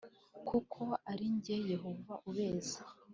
Kuko ari jye yehova ubeza